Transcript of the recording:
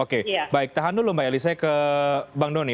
oke baik tahan dulu mbak elisa ke bang doni